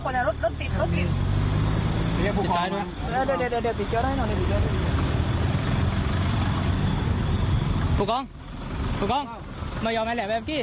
คุณผู้ชมไปฟังเสียงพร้อมกัน